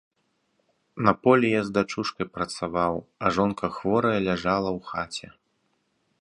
На полі я з дачушкай працаваў, а жонка хворая ляжала ў хаце.